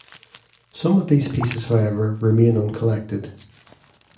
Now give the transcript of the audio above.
Some of these pieces, however, remain uncollected.